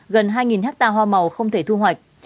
gần hai hectare hoa màu không thể thu hoạch